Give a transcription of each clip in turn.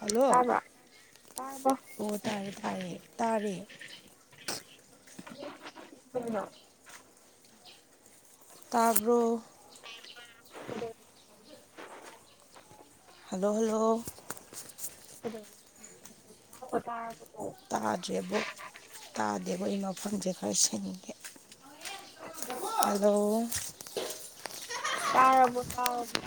hello ꯑꯃ ꯑꯣ ꯇꯥꯔꯦ ꯇꯥꯔꯦ ꯇꯥꯔꯦ ꯅꯣ ꯇꯥꯕꯔꯣ [inaudible] ꯍꯜꯂꯣ ꯍꯜꯂꯣ [inaudible] ꯇꯥꯗ꯭ꯔꯦꯕ ꯇꯥꯗꯦꯕ ꯑꯩ ꯃꯐꯝꯁꯦ ꯈꯔ ꯁꯟ ꯑꯗꯣ ꯇꯥꯔꯔꯕꯣ ꯇꯥꯔꯔꯕꯣ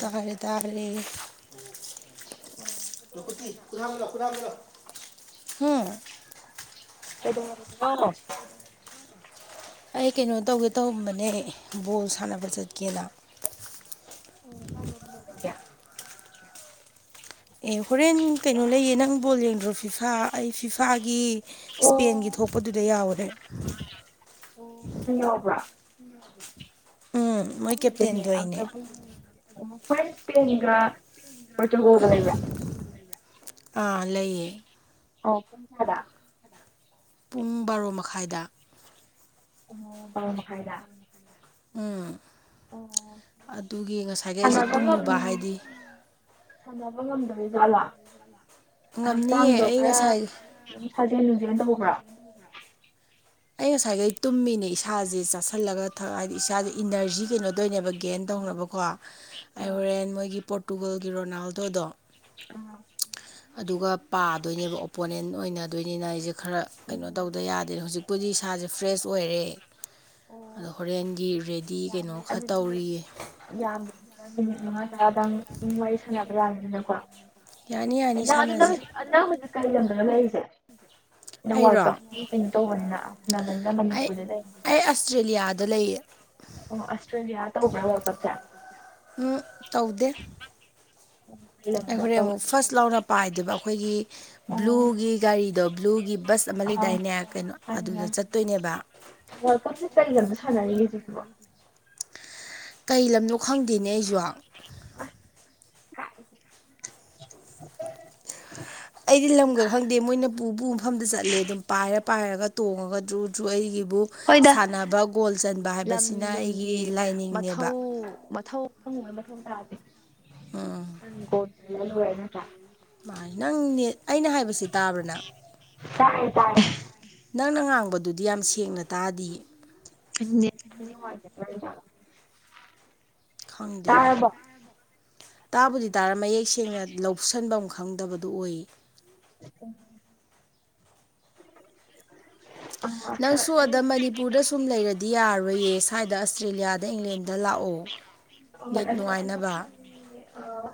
ꯇꯥꯔꯦ ꯇꯥꯔꯔꯤ ꯂ ꯀꯊꯂꯣ ꯀꯊꯂꯣ ꯎꯝ ꯑꯗꯨ ꯑꯩ ꯀꯩꯅꯣ ꯇꯧꯒꯦ ꯇꯧꯔꯝꯕꯅꯦ ꯕꯣꯜ ꯁꯥꯟꯅꯕ ꯆꯠꯀꯦꯅ ꯎꯝ ꯀꯥꯖꯝꯗ ꯑꯦ ꯍꯣꯔꯦꯟ ꯀꯩꯅꯣ ꯂꯩꯌꯦ ꯅꯪ ꯕꯣꯜ ꯌꯦꯡꯗ꯭ꯔꯣ ꯐꯤꯐꯥ ꯑꯩ ꯐꯤꯐꯥꯒꯤ ꯏꯁꯄꯦꯟꯒꯤ ꯊꯣꯛ ꯊꯣꯛꯄꯗꯨꯗ ꯌꯥꯎꯔꯦ ꯑꯣꯣꯕ꯭ꯔ ꯎꯝ ꯃꯣꯏ ꯀꯦꯞꯇꯦꯟꯗꯣ [inaudible] ꯑꯩꯅꯦ ꯑꯣ ꯐꯁꯄꯤꯒ ꯃꯇ ꯍꯗꯅꯤꯒ ꯑꯥ ꯂꯩꯌꯦ ꯑꯣ ꯀꯥꯗ ꯄꯨꯡ ꯕꯥꯔꯣ ꯃꯈꯥꯏꯗ ꯑꯣ ꯃꯈ ꯐꯥꯏꯗ ꯎꯝ ꯑꯗꯨꯒꯤ ꯉꯁꯥꯏꯒꯤ ꯑꯩꯁꯦ ꯇꯨꯝꯃꯨꯕ ꯍꯥꯏꯗꯤ ꯁꯥꯟꯅꯕ ꯉꯝꯗꯣꯔꯤ ꯖꯥꯠꯂꯥ ꯉꯝꯅꯤꯌꯦ ꯍꯛꯆꯥꯡꯗꯣ ꯑꯩ ꯈꯔ ꯉꯁꯥꯏ ꯑꯗꯨ ꯁꯥꯖꯟ ꯔꯅ ꯄꯕ ꯑꯩ ꯉꯁꯥꯏꯈꯩ ꯇꯨꯝꯃꯤꯅꯦ ꯏꯁꯥꯁꯦ ꯆꯥꯥꯁꯜꯂꯒ ꯊꯛ ꯍꯥꯏꯗꯤ ꯏꯁꯥꯥꯁꯦ ꯏꯅꯔꯖꯤ ꯀꯩꯅꯣꯗꯣꯏꯅꯦꯕ ꯒꯦꯟ ꯇꯧꯅꯕꯀꯣ ꯑꯩ ꯍꯣꯔꯦꯟ ꯃꯣꯏꯒꯤ ꯄꯣꯔꯇꯨꯒꯜꯒꯤ ꯔꯣꯅꯥꯜꯗꯣꯗꯣ ꯑ ꯑꯗꯨꯒ ꯄꯥꯗꯣꯏꯅꯦꯕ ꯑꯣꯄꯣꯅꯦꯟ ꯑꯣꯏꯅꯗꯣꯏꯅꯤꯅ ꯑꯩꯁꯦ ꯈꯔ ꯀꯩꯅꯣ ꯇꯧꯗ ꯌꯥꯗꯦ ꯍꯧꯖꯤꯛ ꯄꯨꯗꯤ ꯁꯥꯥꯁꯦ ꯐ꯭ꯔꯦꯁ ꯑꯣꯏꯔꯦ ꯑꯗꯣ ꯍꯣꯔꯦꯟꯒꯤ ꯔꯦꯗꯤ ꯌꯥꯅꯤ ꯀꯩꯅꯣ ꯈꯔ ꯑꯗꯨꯗꯤ ꯇꯧꯔꯤꯌꯦ ꯌꯥꯝꯕꯅꯤꯗ ꯅꯨꯃꯤꯠ ꯃꯉꯥ ꯇꯔꯥꯗꯪ ꯑꯗꯨ ꯋꯥꯔꯤ ꯁ ꯕ ꯌꯥꯕꯅꯤꯅꯀꯣ ꯑ ꯌꯥꯅꯤ ꯌꯥꯅꯤ ꯁꯥꯟꯅꯁꯤ ꯍꯧꯖꯤꯛ ꯀꯔꯤ ꯂꯝꯗꯅ ꯂꯩꯔꯤꯁꯦ ꯑ ꯋꯥꯔꯜ ꯑꯩꯔꯣ ꯀꯞꯀꯤ ꯀꯩꯅꯣ ꯇꯧꯕꯅꯤꯅ ꯁꯅꯕꯟꯗ ꯑꯩ ꯃꯅꯤꯄꯨꯔꯗ ꯑꯩ ꯂꯩ ꯑꯁꯇ꯭ꯔꯦꯂꯤꯌꯥꯗ ꯂꯩꯌꯦ ꯑꯣ ꯑꯁꯇ꯭ꯔꯦꯂꯤꯌꯥ ꯇ ꯍꯕ ꯋꯥ ꯀ ꯆꯦ ꯎꯝ ꯎ ꯑꯩꯈꯣꯔꯣꯏ ꯑꯃꯨꯛ ꯐꯥꯔꯁ ꯂꯥꯎꯅ ꯄꯥꯏꯗꯨꯕ ꯑꯩꯈꯣꯏꯒꯤ ꯑꯣ ꯕ꯭ꯂꯨꯒꯤ ꯒꯥꯔꯤꯗꯣ ꯕ꯭ꯂꯨꯒꯤ ꯕꯁ ꯃꯂꯤꯗꯥꯏꯅꯦ ꯀꯩꯅꯣ ꯑꯥ ꯑꯗꯨꯗ ꯆꯠꯇꯣꯏꯅꯦꯕ ꯋꯥꯔꯀꯔ ꯗꯔꯒꯤ ꯆꯈꯤꯕ ꯀꯩ ꯂꯝꯅꯣ ꯈꯪꯗꯦꯅꯦ ꯑꯩꯁꯨ ꯑꯩꯗꯤ ꯑꯩꯗꯤ ꯂꯝꯒ ꯈꯪꯗꯦ ꯃꯣꯏꯅ ꯄꯨ ꯄꯨ ꯃꯐꯝꯗ ꯆꯠꯂꯦ ꯑꯗꯨꯝ ꯄꯥꯏꯔ ꯄꯥꯏꯔꯒ ꯇꯣꯡꯉꯒꯗ꯭ꯔꯗ ꯑꯩꯒꯤ ꯕꯨ ꯍꯣꯏꯗ ꯁꯥꯟꯅꯕ ꯒꯣꯜ ꯆꯟꯕ ꯂꯝ ꯍꯥꯏꯕꯁꯤꯅ ꯑꯩꯒꯤ ꯅꯨꯡꯒꯤ ꯂꯥꯏꯅꯤꯡꯅꯦꯕ ꯍꯪꯕꯣꯏ ꯃꯊꯣꯡ ꯇꯥꯗꯦꯪ ꯎꯝ ꯀꯣꯟꯂꯨꯔꯦ ꯅꯠꯇ꯭ꯔꯥ ꯃꯥ ꯅꯪꯅꯦ ꯑꯩꯅ ꯍꯥꯏꯕꯕꯁꯤꯦ ꯇꯥꯕ꯭ꯔꯅ ꯇꯥꯏꯌꯦ ꯅꯪꯅ ꯉꯥꯡꯕꯗꯨꯗꯤ ꯌꯥꯝ ꯁꯦꯡꯅ ꯇꯥꯗꯤ ꯑ ꯈꯪꯗꯅꯦ ꯇꯥꯕꯨꯗꯤ ꯇꯥꯔ ꯃꯌꯦꯛ ꯁꯦꯡꯅ ꯂꯧꯁꯤꯟꯐꯝ ꯈꯪꯗꯕꯗꯨ ꯑꯣꯏ ꯑ ꯅꯪꯁꯨ ꯑꯗꯝ ꯃꯅꯤꯄꯨꯔꯗ ꯁꯨꯝ ꯂꯩꯔꯗꯤ ꯌꯥꯔꯣꯏꯌꯦ ꯁ꯭ꯋꯥꯏꯗ ꯑꯁꯇ꯭ꯔꯦꯂꯤꯌꯥꯗ ꯏꯪꯂꯦꯟꯗ ꯂꯥꯛꯑꯣ ꯅꯤꯠ ꯅꯨꯡꯉꯥꯏꯅꯕ ꯑ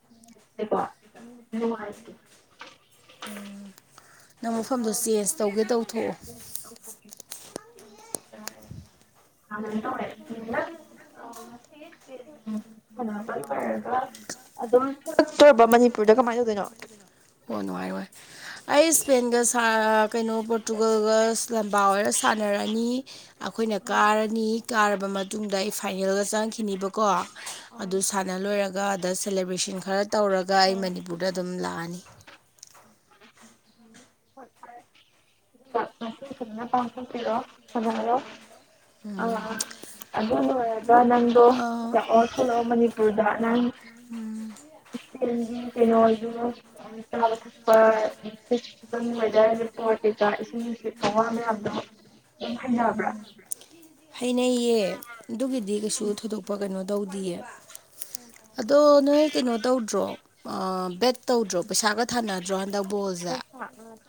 [inaudible] ꯎꯝ ꯅꯪ ꯃꯐꯝꯗꯣ ꯆꯦꯟꯖ ꯇꯧꯒꯦ ꯇꯧꯊꯣꯛꯑꯣ [unintelligible] [unintelligible] [unintelligible] ꯑ ꯁꯅꯥꯕ ꯀꯔ ꯑꯗꯨꯝ ꯀꯛꯇꯕ ꯃꯅꯤꯄꯨꯔꯗ ꯀꯃꯥꯏꯅ ꯇꯧꯗꯣꯏꯅꯣ ꯑꯣ ꯅꯨꯡꯉꯥꯏꯏ ꯑꯩ ꯏꯁꯄꯦꯟꯒ ꯀꯩꯅꯣ ꯄꯣꯔꯇꯨꯒꯜꯒ ꯂꯝꯕꯥ ꯑꯣꯏꯔ ꯁꯥꯟꯅꯔꯅꯤ ꯑꯩꯈꯣꯏꯅ ꯀꯥꯔꯅꯤ ꯀꯥꯔꯕ ꯃꯇꯨꯡꯗ ꯑꯩ ꯐꯥꯏꯅꯦꯜꯒ ꯆꯪꯈꯤꯅꯤꯕꯀꯣ ꯑꯗꯨ ꯁꯥꯟꯅ ꯂꯣꯏꯔꯒ ꯑꯗ ꯁꯦꯂꯦꯕ꯭ꯔꯦꯁꯟ ꯈꯔ ꯇꯧꯔꯒ ꯑꯩ ꯃꯅꯤꯄꯨꯔꯗ ꯑꯗꯨꯝ ꯂꯥꯛꯑꯅꯤ ꯁꯤ ꯄꯥꯎꯠꯇꯔꯣ ꯍꯔꯣ ꯑ ꯑꯗꯨ ꯋꯥꯔ ꯑꯗꯨꯒ ꯑꯥ ꯅꯪꯗꯨꯂꯣ ꯃꯅꯤꯄꯨꯔꯗ ꯅ ꯏ ꯀꯩꯅꯣ ꯆ ꯊꯄ ꯁꯤ ꯃꯖꯣꯇꯦ ꯁꯦ ꯊꯅ ꯎ ꯍꯩꯅꯩꯌꯦ ꯑꯗꯨꯒꯤꯗꯤ ꯀꯩꯁꯨ ꯊꯣꯏꯗꯣꯛꯄ ꯀꯩꯅꯣ ꯇꯧꯗ ꯗꯤꯌꯦ ꯑꯗꯣ ꯅꯣꯏ ꯀꯩꯅꯣ ꯇꯧꯗ꯭ꯔꯣ ꯕꯦꯦꯛ ꯇꯧꯗ꯭ꯔꯣ ꯄꯩꯁꯥꯒ ꯊꯅꯗ꯭ꯔꯣ ꯍꯟꯗꯛ ꯕꯣꯜꯁꯦ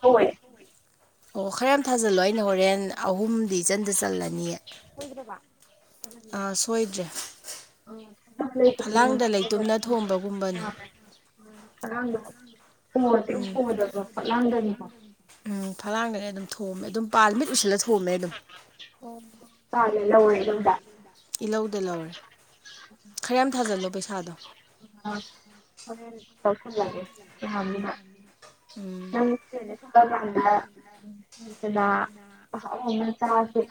ꯍꯣꯏ ꯑꯣ ꯈꯔ ꯌꯥꯝ ꯊꯥꯖꯜꯂꯣ ꯑꯩꯅ ꯍꯣꯔꯦꯟ ꯑꯍꯨꯝꯗꯤ ꯏꯆꯟꯗ ꯆꯜꯂꯅꯤꯌꯦ ꯁꯣꯏꯗ꯭ꯔꯦ [inaudible] ꯐꯂꯥꯡꯗ ꯂꯩꯇꯨꯝꯅ ꯊꯣꯝꯕꯒꯨꯝꯕꯅꯦ ꯍ ꯐꯗꯒ ꯎꯝ ꯂꯗꯅꯤꯀꯣ ꯎꯝ ꯐꯂꯥꯡꯗꯅꯦ ꯑꯗꯨꯝ ꯊꯣꯝꯃꯦ ꯑꯗꯨꯝ ꯄꯥꯜ ꯃꯤꯠ ꯎꯁꯤꯜꯂ ꯊꯣꯝꯃꯦ ꯑꯗꯨꯝ ꯇꯥꯜꯂꯦ ꯂꯧꯔꯦ ꯑꯗꯨꯝꯗ ꯏꯜꯍꯧꯗ ꯂꯧꯔꯦ ꯈꯔ ꯌꯥꯝ ꯊꯥꯖꯤꯜꯂꯣ ꯄꯩꯁꯥꯗꯣ ꯃ ꯇ ꯐꯣꯟ ꯂꯒꯦ ꯍꯥꯅ ꯎꯝ ꯅꯦꯅꯦ ꯊ ꯐꯥꯟꯅꯥ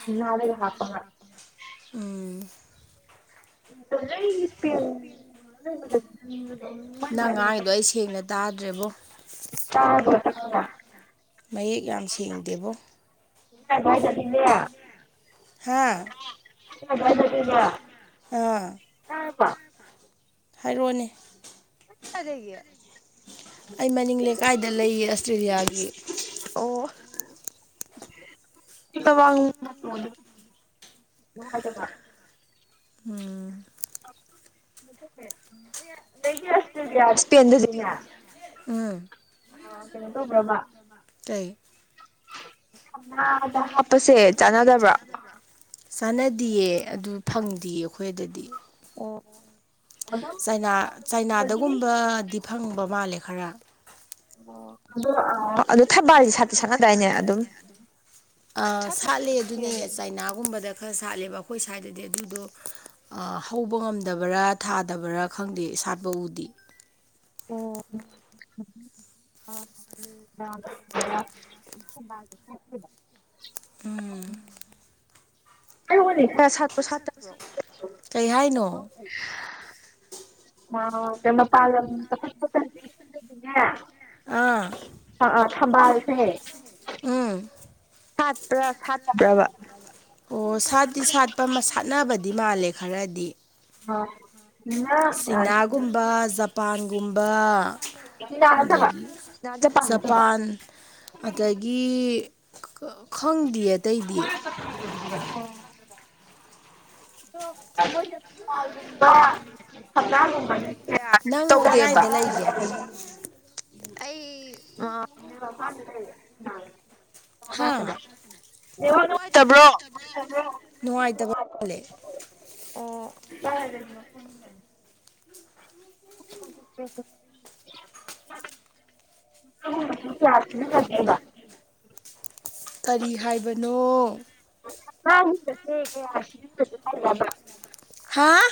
ꯦꯅꯥꯔꯦ ꯍꯥꯄꯉ ꯎꯝ ꯅꯪ ꯉꯥꯡꯗꯣ ꯑꯩ ꯁꯦꯡꯅ ꯇꯥꯗ꯭ꯔꯦꯕꯣ ꯇꯥꯔꯕꯣ ꯃꯌꯦꯛ ꯌꯥꯝ ꯁꯦꯡꯗꯦꯕꯣ ꯁꯤꯌꯥ ꯍꯥꯥ ꯑ ꯑꯃ ꯍꯥꯏꯔꯣꯅꯦ ꯒ ꯑꯩ ꯃꯅꯤꯡ ꯂꯩꯀꯥꯏꯗ ꯂꯩꯌꯦ ꯑꯁꯇ꯭ꯔꯦꯂꯤꯌꯥꯒꯤ ꯎ ꯁꯤ ꯋꯥ ꯍꯥꯏꯗ ꯎꯝ ꯂꯩ ꯑꯗꯤ ꯑ ꯎꯝ ꯇꯣꯕ꯭ꯔꯃꯥ ꯇ ꯍꯥꯞꯄꯁꯦ ꯆꯥꯟꯅꯗꯕ꯭ꯔꯥ ꯆꯥꯟꯅꯗꯌꯦ ꯑꯗꯨ ꯐꯪꯗꯦꯌꯦ ꯑꯩꯈꯣꯏꯗꯗꯤ ꯑꯣ ꯅꯥ ꯆꯥꯏꯅꯥꯗꯒꯨꯝꯕꯗꯤ ꯐꯪꯕ ꯃꯥꯜꯂꯦ ꯈꯔ ꯑꯣ ꯑꯣ ꯑꯗꯨ ꯊꯠꯄ ꯍꯥꯏꯁꯦ ꯁꯠꯇꯤ ꯁꯠꯄꯗꯥꯏꯅꯦ ꯑꯗꯨ ꯁꯥꯠꯇꯕ꯭ꯔꯣ ꯁꯥꯠꯂꯦ ꯑꯗꯨꯅꯦ ꯏꯁꯄꯦꯟ ꯆꯥꯏꯅꯥꯒꯨꯝꯕꯗ ꯈꯔ ꯁꯥꯠꯂꯦꯕ ꯑꯩꯈꯣꯏ ꯁ꯭ꯋꯥꯏꯗꯗꯤ ꯑꯗꯨꯗꯣ ꯍꯧꯕ ꯉꯝꯗꯕꯔꯥ ꯊꯥꯗꯕ꯭ꯔꯥ ꯈꯪꯗꯦ ꯁꯥꯠꯄ ꯎꯗꯦ ꯑꯣ ꯑ ꯑ ꯎꯝ ꯀꯅꯤ ꯑꯦ ꯁꯥꯠꯁꯨꯣ ꯁꯠ ꯇꯣ ꯀꯩ ꯍꯥꯏꯅꯣ ꯃꯥ ꯀꯃ ꯄꯜ ꯑꯥ ꯑ ꯊꯝꯕꯜꯁꯦ ꯎꯝ ꯁꯥꯠꯄ꯭ꯔꯥ ꯁꯥꯠꯇꯕ꯭ꯔꯕ ꯑꯣ ꯁꯥꯠꯇꯤ ꯁꯥꯠꯄ ꯁꯥꯟꯠꯅꯕꯗꯤ ꯃꯥꯜꯂꯦ ꯈꯔꯗꯤ ꯑ ꯏ ꯆꯤꯅꯥꯒꯨꯝꯕ ꯖꯄꯥꯟꯒꯨꯝꯕ ꯑꯗꯒꯤ ꯆ ꯆꯄ ꯖꯄꯥꯟ ꯑꯗꯒꯤ ꯈꯪꯗꯦ ꯑꯇꯩꯗꯤ ꯊꯅꯥ ꯅꯪ ꯀꯗꯥꯥꯏꯗ ꯂꯩꯒꯦ ꯑꯩ ꯍꯥ ꯉ ꯅꯨꯡꯉꯥꯏꯇꯕ꯭ꯔꯣ ꯅꯨꯡꯉꯥꯏꯇꯕ ꯄꯂꯦ ꯎꯝ ꯑꯗꯨ ꯀ꯭ꯂꯌꯥꯥꯁ ꯐꯗ ꯀꯔꯤ ꯍꯥꯏꯕꯅꯣ ꯀ ꯀ ꯍꯥꯥ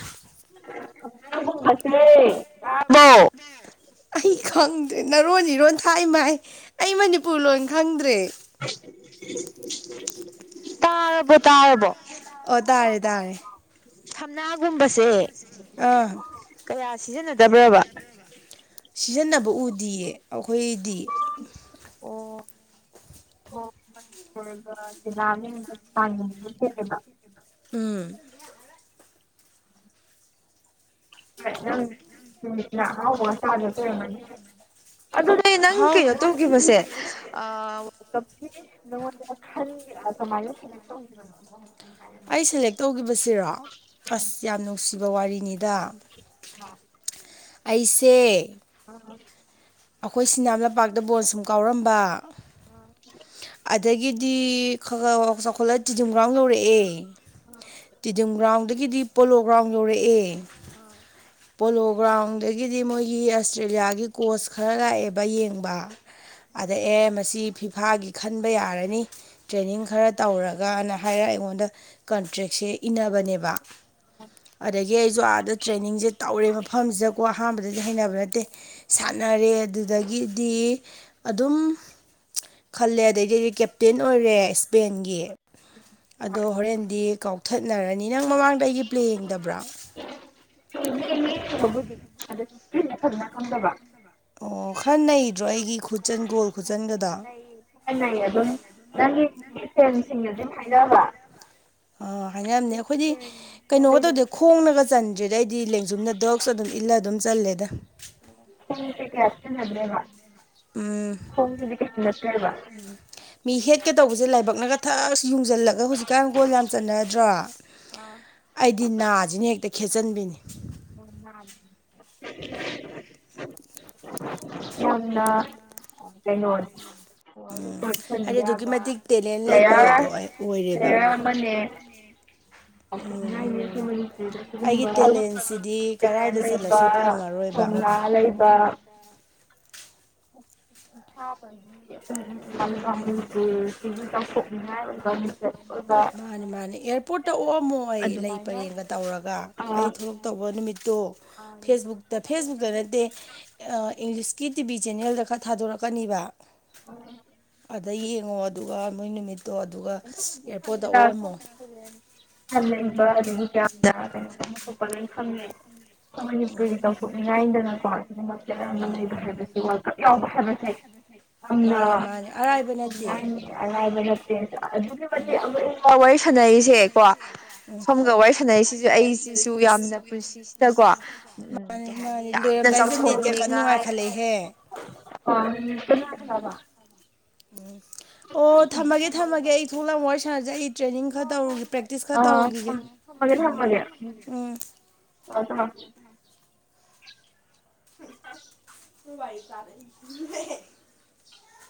ꯁꯦ ꯑꯩ ꯈꯪꯗ꯭ꯔꯦ ꯅꯔꯣꯟ ꯏꯔꯣꯟ ꯊꯥꯏ ꯃꯥꯏ ꯑꯩ ꯃꯅꯤꯄꯨꯔ ꯂꯣꯟ ꯈꯪꯗ꯭ꯔꯦ ꯇꯥꯔꯔꯕꯣ ꯇꯥꯔꯔꯕꯣ ꯑꯣ ꯇꯥꯔꯦ ꯇꯥꯔꯦ ꯁꯝꯅꯥꯒꯨꯝꯕ ꯑꯥ ꯁꯤꯖꯤꯟꯅꯗꯕ꯭ꯔꯕ ꯁꯤꯖꯤꯟꯅꯕ ꯎꯗꯤꯌꯦ ꯑꯩꯈꯣꯏꯗꯤ ꯑꯣ ꯑꯣ ꯃꯅꯤꯄꯨꯔꯒꯂꯒ ꯎꯝ ꯍ ꯍꯗ ꯑꯗꯨꯅꯦ ꯅꯪ ꯍꯥꯎ ꯀꯩꯅꯣ ꯇꯧꯈꯤꯕꯁꯦ ꯅꯉꯣꯟꯗ ꯈ ꯀꯃꯥꯏꯅ ꯇꯅ ꯑꯩ ꯁꯦꯂꯦꯛ ꯇꯧꯒꯤꯈꯤꯕꯁꯤꯔꯣ ꯑꯁ ꯌꯥꯝ ꯅꯨꯡꯁꯤꯕ ꯋꯥꯔꯤꯅꯤꯗ ꯑꯩꯁꯦ ꯋꯥꯀ ꯑꯩꯈꯣꯏ ꯁꯤꯅꯥ ꯂꯝꯄꯥꯛꯇ ꯕꯣꯣꯟ ꯁꯨꯝ ꯀꯥꯎꯔꯝꯕ ꯑ ꯑꯗꯒꯤꯗꯤ ꯈ ꯆꯥꯎꯈꯠꯂꯛ ꯇꯤꯗꯤꯝ ꯒ꯭ꯔꯥꯎꯟ ꯌꯧꯔꯛꯑꯦ ꯇꯤꯗꯤꯝ ꯒ꯭ꯔꯥꯎꯟꯗꯒꯤꯗꯤ ꯄꯣꯂꯣ ꯒ꯭ꯔꯥꯎꯟ ꯌꯧꯔꯛꯑꯦ ꯄꯣꯂꯣ ꯒ꯭ꯔꯥꯎꯟꯗꯒꯤꯗꯤ ꯃꯣꯏꯒꯤ ꯑꯁꯇ꯭ꯔꯦꯂꯤꯌꯥꯒꯤ ꯀꯣꯆ ꯈꯔ ꯂꯥꯛꯑꯦꯕ ꯌꯦꯡꯕ ꯑꯗ ꯑꯦ ꯃꯁꯤ ꯐꯤꯐꯥꯒꯤ ꯈꯟꯕ ꯌꯥꯔꯅꯤ ꯇ꯭ꯔꯦꯅꯤꯡ ꯈꯔ ꯇꯧꯔꯒꯅ ꯍꯥꯏꯔꯒ ꯑꯩꯉꯣꯟꯗ ꯀꯟꯇ꯭ꯔꯦꯛꯁꯦ ꯏꯟꯅꯅꯕꯅꯦꯕ ꯑꯗꯒꯤ ꯑꯩꯁꯨ ꯑꯥꯗ ꯇ꯭ꯔꯦꯅꯤꯡꯁꯦ ꯇꯧꯔꯦ ꯃꯐꯝꯁꯤꯗꯀꯣ ꯑꯍꯥꯟꯕꯗꯗꯤ ꯍꯩꯅꯕ ꯅꯠꯇꯦ ꯁꯥꯟꯅꯔꯦ ꯑꯗꯨꯗꯒꯤꯗꯤ ꯑꯗꯨꯝ ꯈꯜꯂꯦ ꯑꯗꯩꯗꯤꯗꯤ ꯀꯦꯞꯇꯦꯟ ꯑꯣꯏꯔꯦ ꯏꯁꯄꯦꯟꯒꯤ ꯑꯗꯣ ꯍꯣꯔꯦꯟꯗꯤ ꯀꯥꯎꯊꯠꯅꯔꯅꯤ ꯅꯪ ꯃꯃꯥꯡꯗ ꯑꯩꯒꯤ ꯄ꯭ꯂꯦ ꯌꯦꯡꯗꯕ꯭ꯔꯥ ꯕꯨꯗꯤ ꯑꯗꯨꯁꯨꯅ ꯐꯖꯅ ꯈꯟꯗꯕ ꯑꯣ ꯈꯔꯟꯅꯩꯗ꯭ꯔꯣ ꯑꯩꯒꯤ ꯈꯨꯠ ꯀꯥꯏ ꯑ ꯆ ꯐꯦꯟꯁꯤꯡꯅ ꯑꯗꯨꯝ ꯍꯥꯏꯅꯕ ꯑꯥ ꯍꯥꯏꯅꯔꯝꯅꯦ ꯑꯩꯈꯣꯏꯗꯤ ꯀꯩꯅꯣꯒ ꯇꯧꯗꯦ ꯈꯣꯡꯅꯒ ꯆꯟꯗ꯭ꯔꯦꯗ ꯑꯩꯗꯤ ꯂꯦꯡꯖꯨꯝꯅ ꯗ꯭ꯔꯛꯁ ꯑꯗꯨꯝ ꯏꯜ ꯑꯗꯨꯝ ꯆꯜꯂꯦ ꯁꯤꯦꯁꯗ꯭ꯔꯦꯕ ꯎꯝ ꯎ ꯃꯤ ꯍꯦꯠꯀ ꯇꯧꯕꯁꯦ ꯂꯥꯏꯕꯛꯅꯒ ꯊꯛ ꯌꯨꯡꯁꯤꯜꯂꯒ ꯍꯧꯖꯤꯛꯀꯥꯟ ꯒꯣꯜ ꯌꯥꯝ ꯆꯠꯅꯗ꯭ꯔꯣ ꯑꯩꯗꯤ ꯅꯥꯁꯤꯅ ꯍꯦꯛꯇ ꯈꯦꯠꯆꯟꯕꯤꯅꯤ ꯎ ꯃꯟꯅ ꯑꯗꯨꯦ ꯅꯣ ꯎꯝ ꯍꯥꯏꯗꯤ ꯑꯗꯨꯛꯀꯤ ꯃꯇꯤꯛ ꯇꯦꯂꯦꯟ ꯂꯩꯕꯗꯣ ꯑꯣꯏꯔꯦꯕ ꯍꯕꯌꯥ ꯃꯅꯦ ꯎꯝ ꯑꯩꯒꯤ [inaudible] ꯇꯦꯂꯦꯟꯁꯤꯗꯤ ꯀꯔꯥꯏꯗ ꯍꯅꯩꯕ ꯆꯠꯂꯁꯨ ꯐꯪꯉꯔꯣꯏꯕ ꯅꯂꯩꯕ ꯕꯂꯤꯒꯝꯂꯤꯕꯨ ꯄꯤꯅꯤ ꯁꯣꯛꯅꯤꯉ ꯀꯁꯦ ꯃꯥꯅꯤ ꯃꯥꯅꯤ ꯑꯦꯌꯥꯔꯄꯣꯔꯠꯇ ꯑꯣꯑꯝꯃꯣ ꯑꯩ ꯂꯩ ꯑꯗꯨꯃꯥꯏꯅ ꯄꯔꯦꯡꯒ ꯇꯧꯔꯒ ꯑꯩ ꯊꯣꯛꯂꯛꯛꯇꯧꯕ ꯅꯨꯃꯤꯠ ꯇꯣ ꯐꯦꯁꯕꯨꯛꯇ ꯐꯦꯁꯕꯨꯛꯇ ꯅꯠꯇꯦ ꯏꯪꯂꯤꯁꯀꯤ ꯇꯤꯚ ꯆꯦꯅꯦꯜꯗ ꯈꯔ ꯊꯥꯗꯣꯔꯛꯀꯅꯤꯕ ꯑꯣ ꯑꯗ ꯌꯦꯡꯉꯣ ꯑꯗꯨꯒ ꯃꯣꯏ ꯅꯨꯃꯤꯠ ꯇꯣ ꯑꯗꯨꯒ ꯑꯦꯌꯥꯔꯄꯣꯔꯠꯇ ꯑꯣꯛꯑꯝꯃꯣ ꯍꯅꯤꯡꯕ ꯑꯗꯨꯗꯒꯤ ꯀꯌꯥꯗꯅꯣꯁꯨꯄ ꯈꯪꯉ ꯄꯨꯗꯤ ꯇꯊꯣꯛꯅꯤꯡ ꯉꯥꯏꯗꯅꯀꯣ ꯃꯥꯅꯦ ꯂꯩꯕ ꯍꯥꯏꯕꯁꯦ ꯋꯥꯔꯀꯞ ꯌꯥꯎꯕ ꯍꯥꯏꯕꯁꯦ ꯕ ꯅꯦ ꯃꯥꯅꯦ ꯃꯥꯅꯦ ꯑꯔꯥꯏꯕ ꯅꯠꯇꯦ ꯑꯗꯨꯛꯀꯤ ꯃꯇꯤꯛ ꯋꯥꯔꯤ ꯁꯥꯟꯅꯔꯤꯁꯦꯀꯣ ꯁꯣꯝꯒ ꯋꯥꯔꯤ ꯁꯥꯟꯅꯔꯤꯁꯤꯁꯨ ꯑꯩꯁꯤꯁꯨ ꯌꯥ ꯌꯥꯝꯅ ꯄꯨꯟꯁꯤꯁꯤꯗꯀꯣ ꯎꯝ ꯃꯥꯅꯦ ꯀꯩ ꯍꯥꯏꯅꯤ ꯃꯥꯅꯦ ꯌꯥꯝꯅ ꯂꯣꯏꯔꯝꯗꯥꯏꯁꯤꯗ ꯅꯦꯠꯀ ꯀꯟꯅ ꯆꯥꯎꯊꯣꯛꯅꯤꯡꯉꯥꯏ [inaudible] ꯅꯨꯡꯉꯥꯏꯈꯠꯂꯛꯏꯍꯦ ꯎꯝ ꯑꯣ ꯊꯝꯃꯒꯦ ꯊꯝꯃꯒꯦ ꯑꯩ ꯊꯣꯛꯂꯝꯛꯃꯣ ꯋꯥꯔꯤ ꯁꯥꯟꯅꯁꯩ ꯑꯩ ꯇ꯭ꯔꯦꯅꯤꯡ ꯈꯔ ꯇꯧꯔꯨꯒꯤ ꯄ꯭ꯔꯦꯛꯇꯤꯁ ꯈꯔ ꯇꯧꯔꯨꯈꯤꯒꯦ ꯑꯒ ꯊꯒ ꯎꯝ [unintelligible] ꯋꯥꯏ ꯇꯥꯔ